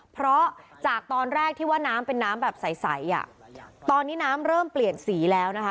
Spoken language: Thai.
เพราะจากตอนแรกที่ว่าน้ำเป็นน้ำแบบใสอ่ะตอนนี้น้ำเริ่มเปลี่ยนสีแล้วนะคะ